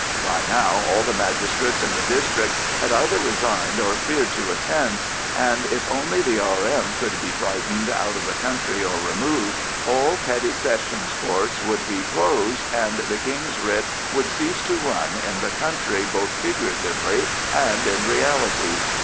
By now all the magistrates in the district had either resigned or feared to attend, and if only the R.M. could be frightened out of the country or removed, all Petty Sessions Courts would be closed, and the King's Writ would cease to run in the country both figuratively and in reality.